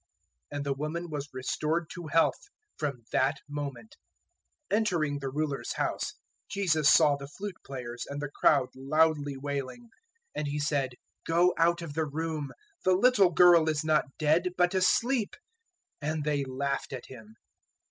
And the woman was restored to health from that moment. 009:023 Entering the Ruler's house, Jesus saw the flute players and the crowd loudly wailing, 009:024 and He said, "Go out of the room; the little girl is not dead, but asleep." And they laughed at Him.